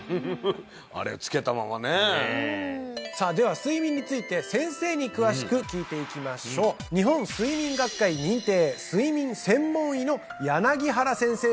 あれつけたままねえねえさあでは睡眠について先生に詳しく聞いていきましょう日本睡眠学会認定睡眠専門医の原先生です